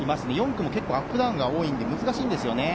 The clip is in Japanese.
４区に結構アップダウンが多いので難しいんですよね。